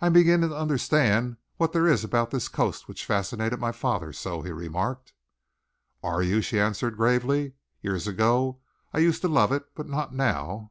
"I am beginning to understand what there is about this coast which fascinated my father so," he remarked. "Are you?" she answered gravely. "Years ago I used to love it, but not now."